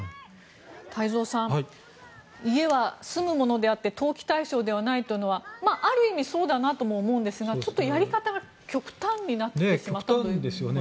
太蔵さん家は住むものであって投機対象ではないというのはある意味、そうだなとも思うんですがちょっとやり方が極端になってしまったんですかね。